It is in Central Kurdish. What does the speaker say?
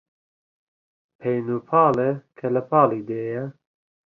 پەین و پاڵێ کە لە پاڵی دێیە